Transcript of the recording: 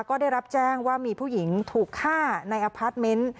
ก็ได้รับแจ้งว่ามีผู้หญิงถูกฆ่าในอพาร์ทเมนต์